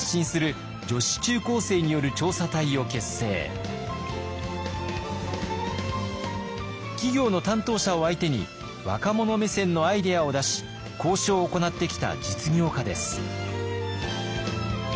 椎木里佳さんは中学３年生の時世界に企業の担当者を相手に若者目線のアイデアを出し交渉を行ってきた実業家です。